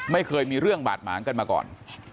ไม่เคยมีเรื่องบาดหมางกันมาก่อน